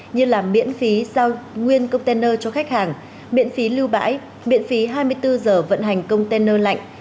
như là miễn phí sau nguyên container cho khách hàng miễn phí lưu bãi miễn phí hai mươi bốn giờ vận hành container lạnh